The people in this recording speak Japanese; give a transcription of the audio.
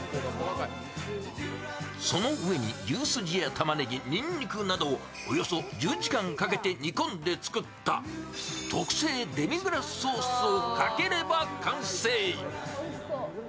その上に、牛すじや玉ねぎにんにくなどおよそ１０時間かけて煮込んで作った特製デミグラスソースをかければ完成。